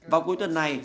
vào cuối tuần này